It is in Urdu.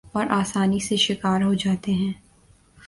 اور آسانی سے شکار ہو جاتے ہیں ۔